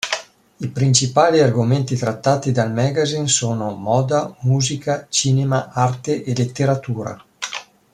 I principali argomenti trattati dal magazine sono: moda, musica, cinema, arte e letteratura.